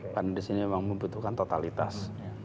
karena di sini memang membutuhkan totalitas